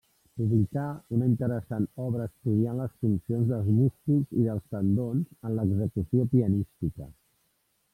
Publicà una interessant obra estudiant les funcions dels músculs i dels tendons en l'execució pianística.